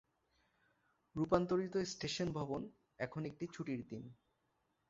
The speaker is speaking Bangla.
রূপান্তরিত স্টেশন ভবন এখন একটি ছুটির দিন।